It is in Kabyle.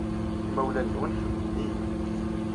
Imawlan-nwen ḥemmlen-iyi.